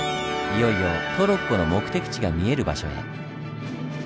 いよいよトロッコの目的地が見える場所へ。